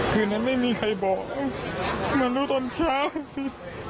คืนนั้นไม่มีใครบอกมาดูต้นเช้าสิ